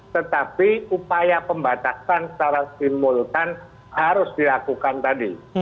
tetapi upaya pembatasan secara simultan harus dilakukan tadi